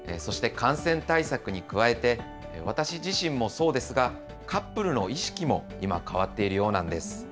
そして感染対策に加えて、私自身もそうですが、カップルの意識も今、変わっているようなんです。